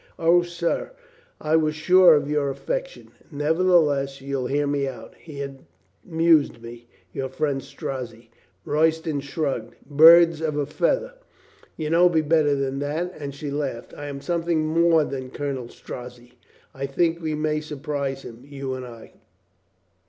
"O, sir, I was sure of your affection. Neverthe less, you'll hear me out. He amused me, your friend Strozzi." Royston shrugged. "Birds of a feather." LUCINDA AGAIN AN INSPIRATION 337 "You know me better than that," and she laughed. "I am something more than Colonel Strozzi. I think we may surprise him, you and I."